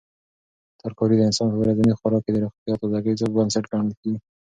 ترکاري د انسان په ورځني خوراک کې د روغتیا او تازګۍ بنسټ ګڼل کیږي.